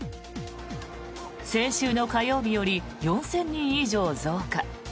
先週の火曜日より４０００人以上増加。